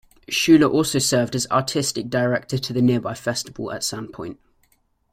Schuller also served as Artistic Director to the nearby Festival at Sandpoint.